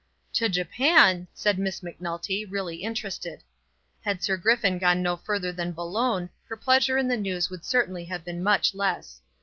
"To Japan!" said Miss Macnulty, really interested. Had Sir Griffin gone no further than Boulogne, her pleasure in the news would certainly have been much less.